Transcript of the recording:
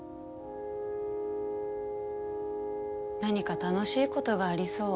何か楽しいことがありそう。